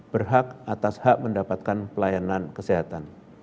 berhak atas hak mendapatkan pelayanan kesehatan